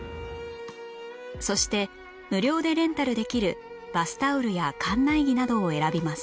そして無料でレンタルできるバスタオルや館内着などを選びます